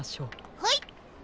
はい。